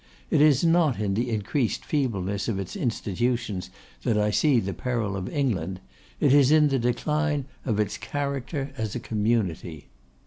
It is not in the increased feebleness of its institutions that I see the peril of England; it is in the decline of its character as a community.